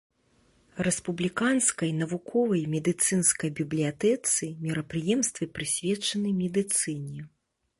Рэспубліканскай навуковай медыцынскай бібліятэцы мерапрыемствы прысвечаны медыцыне.